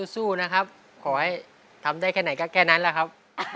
สู้นะครับขอให้ทำได้แค่ไหนก็แค่นั้นแหละครับ